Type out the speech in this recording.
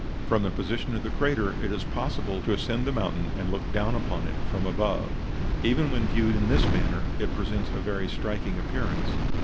From the position of the crater, it is possible to ascend the mountain and look down upon it from above. Even when viewed in this manner, it presents a very striking appearance.